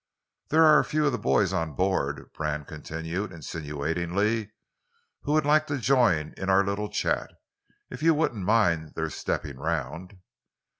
"There are a few of the boys on board," Brand continued insinuatingly, "who would like to join in our little chat, if you wouldn't mind their stepping round."